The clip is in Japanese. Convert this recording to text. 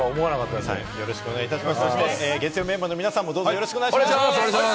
そして月曜メンバーの皆さんもどうぞよろしくお願いします。